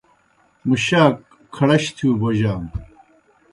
مُشاک کھڑش تِھیؤ بوجانوْ۔